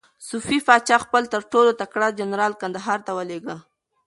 صفوي پاچا خپل تر ټولو تکړه جنرال کندهار ته ولېږه.